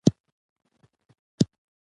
جنګونه مشلات نه حل کوي بلکه نور یې هم زیاتوي.